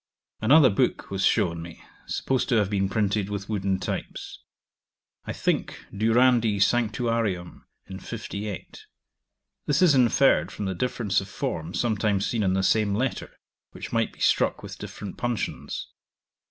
Another book was shown me, supposed to have been printed with wooden types; I think, Durandi Sanctuarium in 58. This is inferred from the difference of form sometimes seen in the same letter, which might be struck with different puncheons.